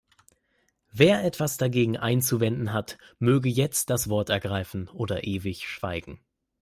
Wer etwas dagegen einzuwenden hat, möge jetzt das Wort ergreifen oder ewig schweigen.